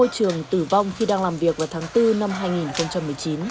môi trường tử vong khi đang làm việc vào tháng bốn năm hai nghìn một mươi chín